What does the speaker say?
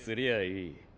いい。